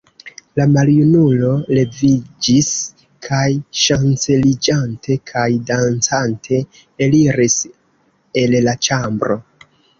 La maljunulo leviĝis kaj, ŝanceliĝante kaj dancante, eliris el la ĉambro.